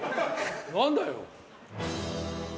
何だよ？